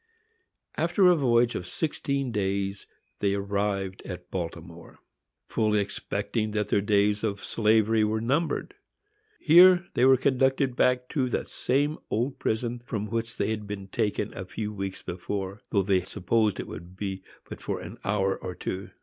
After a voyage of sixteen days, they arrived at Baltimore, fully expecting that their days of slavery were numbered. Here they were conducted back to the same old prison from which they had been taken a few weeks before, though they supposed it would be but for an hour or two.